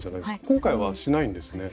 今回はしないんですね。